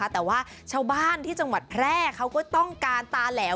แต่ว่าชาวบ้านที่จังหวัดแพร่เขาก็ต้องการตาแหลว